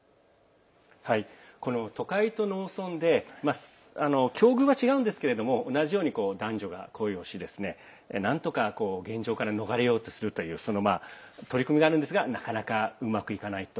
都会と農村で境遇は違うんですが同じように男女が恋しなんとか現状から逃れようとする取り組みがあるんですがなかなかうまくいかないと。